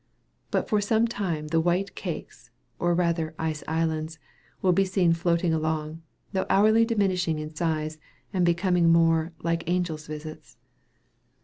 But for some time the white cakes, or rather ice islands, will be seen floating along, though hourly diminishing in size, and becoming more "like angel's visits."